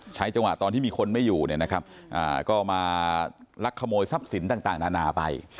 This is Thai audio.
ใช้จังหวะตอนที่มีคนไม่อยู่ก็มาลักขโมยทรัพย์สินต่างนานาไป